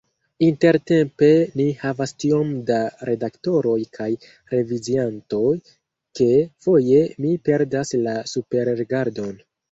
Intertempe ni havas tiom da redaktoroj kaj reviziantoj, ke foje mi perdas la superrigardon.